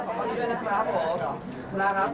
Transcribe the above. ขอบคุณพี่ด้วยนะครับ